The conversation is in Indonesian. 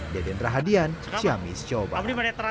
diadain rahadian syamis chowbang